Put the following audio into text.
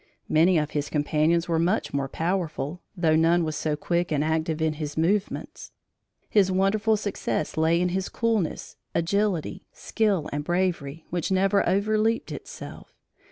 Many of his companions were much more powerful, though none was so quick and active in his movements. His wonderful success lay in his coolness, agility, skill and bravery, which never "overleaped itself."